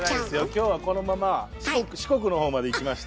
今日はこのまま四国のほうまで行きまして。